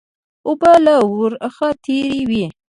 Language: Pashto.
اوبه له ورخه تېرې وې